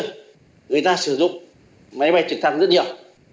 người ta sử dụng máy bay trực thăng rất nhiều